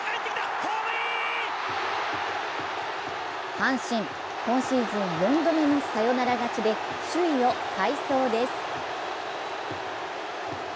阪神、今シーズン４度目のサヨナラ勝ちで首位を快走です。